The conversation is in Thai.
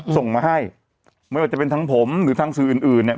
ส่งมาให้ไม่ว่าจะเป็นทั้งผมหรือทางสื่ออื่นอื่นเนี่ย